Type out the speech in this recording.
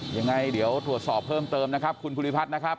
ยังไงเดี๋ยวตรวจสอบเพิ่มเติมนะครับคุณภูริพัฒน์นะครับ